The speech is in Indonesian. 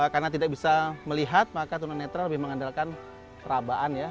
karena tidak bisa melihat maka tunar netra lebih mengandalkan perabaan ya